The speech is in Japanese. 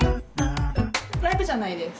ライブじゃないです。